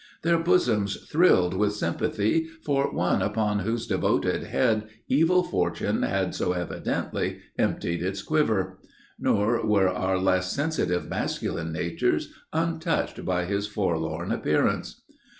Their bosoms thrilled with sympathy for one upon whose devoted head evil fortune had so evidently emptied its quiver. Nor were our less sensitive masculine natures untouched by his forlorn appearance.